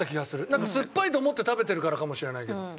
なんかすっぱいと思って食べてるからかもしれないけど。